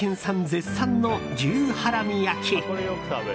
絶賛の牛ハラミ焼き。